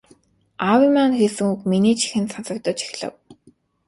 Аавын маань хэлсэн үг миний чихэнд сонсогдож эхлэв.